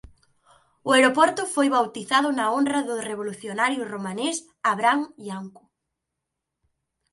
O aeroporto foi bautizado na honra do revolucionario romanés Avram Iancu.